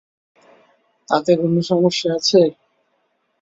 তাতে কোনো সমস্যা আছে?